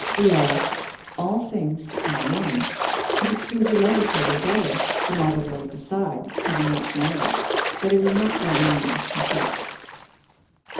We are "all things to all men." The two who love each other better than all the world beside, have much knowledge, but it is not by any means complete.